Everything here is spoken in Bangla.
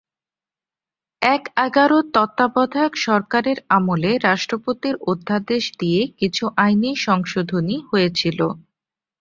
এক-এগারোর তত্ত্বাবধায়ক সরকারের আমলে রাষ্ট্রপতির অধ্যাদেশ দিয়ে কিছু আইনি সংশোধনী হয়েছিল।